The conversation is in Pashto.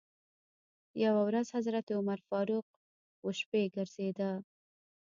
یوه ورځ حضرت عمر فاروق و شپې ګرځېده.